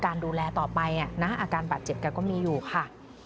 การดูแลต่อไปอ่ะน่ะอาการบาดเจ็บกันก็มีอยู่ค่ะ